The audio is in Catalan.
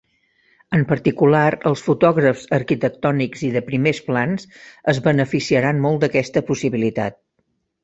En particular, els fotògrafs arquitectònics i de primers plans es beneficiaran molt d'aquesta possibilitat.